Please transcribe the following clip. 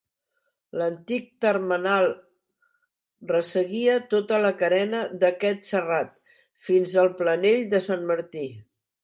L'antic termenal resseguia tota la carena d'aquest serrat, fins al Planell de Sant Martí.